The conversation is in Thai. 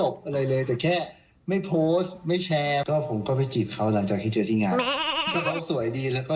เพราะว่าแฟนเป็นนางน้ำอะเนอะ